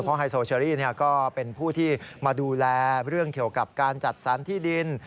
ไฮโซเชอรี่ก็เป็นผู้ที่มาดูแลเรื่องเกี่ยวกับการจัดสรรที่ดิน